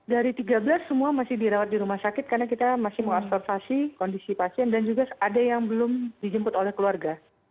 dari tiga belas semua masih dirawat di rumah sakit karena kita masih mengobservasi kondisi pasien dan juga ada yang belum dijemput oleh keluarga